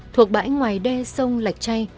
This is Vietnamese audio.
thuộc bãi ngoài đe sông lạch chay